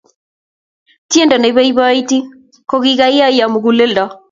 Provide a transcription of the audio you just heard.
tiendo neipoipoiti kokaikaiyo mukuleldo